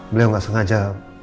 beliau gak sengaja